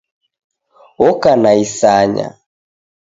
Oka na isanya.